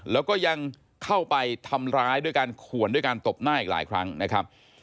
แล้วก็ยังเข้าไปทำร้ายด้วยการขวนด้วยการตบหน้าอีกหลายครั้งนะครับ